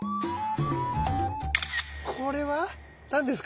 これは何ですか？